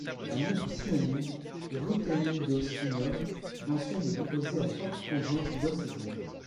Un autre synonyme rutheniridosmium mentionne des composés à fortes conjointes d'Os et d'Ir.